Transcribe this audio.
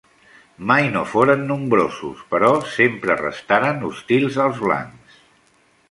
Mai no foren nombrosos, però sempre restaren hostils als blancs.